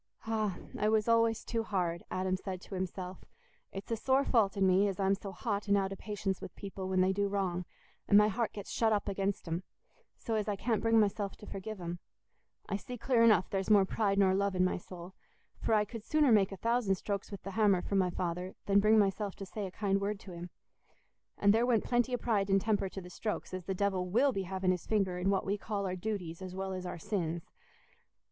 "Ah! I was always too hard," Adam said to himself. "It's a sore fault in me as I'm so hot and out o' patience with people when they do wrong, and my heart gets shut up against 'em, so as I can't bring myself to forgive 'em. I see clear enough there's more pride nor love in my soul, for I could sooner make a thousand strokes with th' hammer for my father than bring myself to say a kind word to him. And there went plenty o' pride and temper to the strokes, as the devil will be having his finger in what we call our duties as well as our sins.